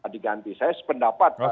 diganti saya sependapat